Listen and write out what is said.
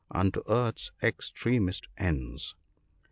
unto Earth's extremest ends."